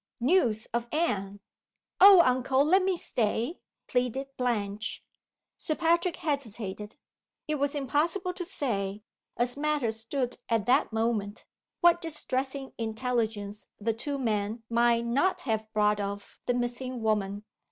News of Anne! "Oh, uncle, let me stay!" pleaded Blanche. Sir Patrick hesitated. It was impossible to say as matters stood at that moment what distressing intelligence the two men might not have brought of the missing woman.